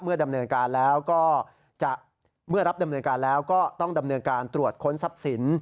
เมื่อรับดำเนินการแล้วก็ต้องดำเนินการตรวจค้นทรัพย์สิน